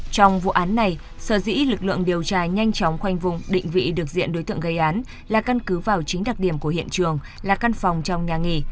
trong vụ án này sở dĩ lực lượng điều tra nhanh chóng khoanh vùng định vị được diện đối tượng gây án là căn cứ vào chính đặc điểm của hiện trường là căn phòng trong nhà nghỉ